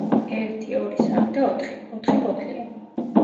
ერთი, ორი, სამი და ოთხი; ოთხი ბოთლია.